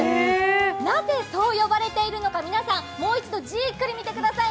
なぜそう呼ばれているのか皆さん、もう一度、じっくりご覧ください。